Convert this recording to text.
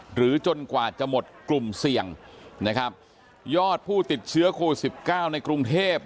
จนกว่าจะหมดกลุ่มเสี่ยงนะครับยอดผู้ติดเชื้อโควิดสิบเก้าในกรุงเทพ